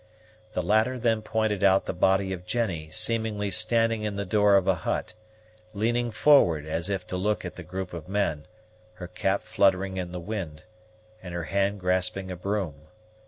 The latter then pointed out the body of Jennie seemingly standing in the door of a hut, leaning forward as if to look at the group of men, her cap fluttering in the wind, and her hand grasping a broom.